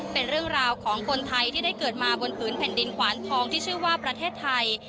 เป็นรื่องราวที่ได้เกิดมาผลไขวนทองที่ชื่อว่าประเทศไทย